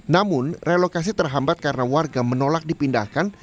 namun relokasi terhambat karena warga menolak dipindahkan